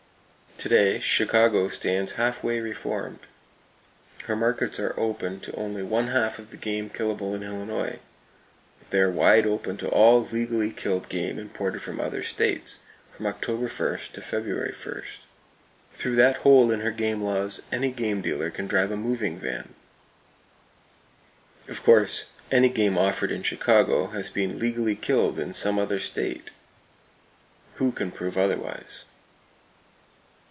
To day, Chicago stands half way reformed. Her markets are open to only one half the game killable in Illinois, but they are wide open to all "legally killed game imported from other states, from Oct. 1 to Feb. 1." Through that hole in her game laws any game dealer can drive a moving van! Of course, any game offered in Chicago has been "legally killed in some other state!" Who can prove otherwise?